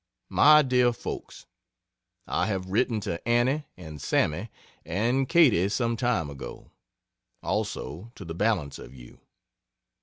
MY DEAR FOLKS, I have written to Annie and Sammy and Katie some time ago also, to the balance of you.